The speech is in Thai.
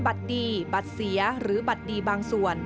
บัตรดีบัตรเสียหรือบัตรดีบางส่วน